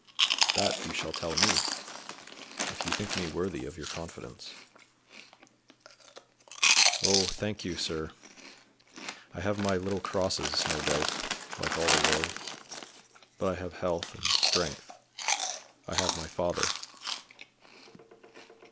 "That you shall tell me, if you think me worthy of your confidence." "Oh, thank you, sir. I have my little crosses, no doubt, like all the world; but I have health and strength. I have my father."